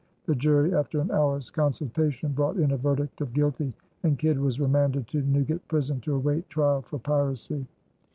The jury after an hour's consultation brought in a verdict of guilty, and Kidd was remanded to Newgate Prison to await trial for piracy.